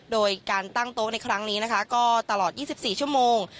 โดยการตั้งโต๊ะในครั้งนี้นะคะก็ตลอด๒๔ชั่วโมง